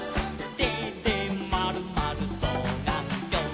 「てでまるまるそうがんきょう」